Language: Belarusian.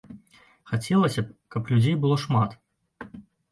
Хацелася б, каб людзей было шмат!